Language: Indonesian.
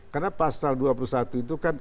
karena pasal dua puluh satu itu kan